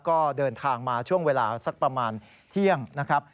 ก็เดินทางมาช่วงเวลาสักประมาณเที่ยงนะครับ